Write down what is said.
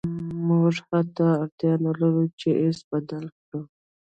موږ حتی اړتیا نلرو چې ایس بدل کړو